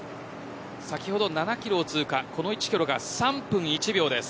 先ほど７キロを通過この１キロが３分１秒です。